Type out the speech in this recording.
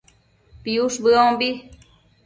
piush bëombi